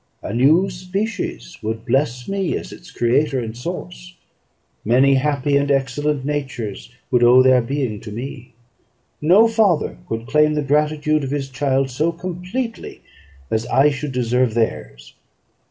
A new species would bless me as its creator and source; many happy and excellent natures would owe their being to me. No father could claim the gratitude of his child so completely as I should deserve theirs.